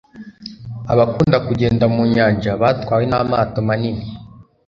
Abakunda kugenda mu nyanja batwawe n’amato manini